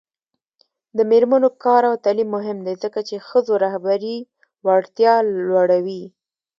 د میرمنو کار او تعلیم مهم دی ځکه چې ښځو رهبري وړتیا لوړوي.